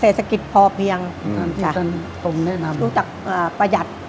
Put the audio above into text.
เศรษฐกิจพอเพียงรู้จักประหยัด